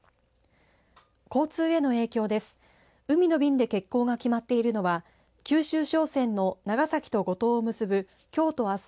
交通への影響です。